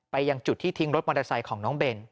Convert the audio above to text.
ยังจุดที่ทิ้งรถมอเตอร์ไซค์ของน้องเบน